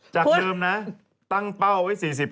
จากเดิมนะตั้งเป้าเอาไว้๔๐ตัวนะครับ